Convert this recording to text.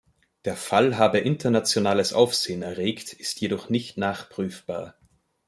Der Fall habe internationales Aufsehen erregt, ist jedoch nicht nachprüfbar.